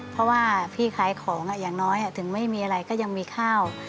เพราะว่าพี่ขายของอย่างน้อยถึงไม่มีอะไรก็ยังมีข้าว